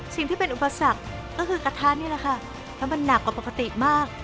สิ่งที่เป็นอุปสรรคก็คือกระทะนี่แหละค่ะแล้วมันหนักกว่าปกติมาก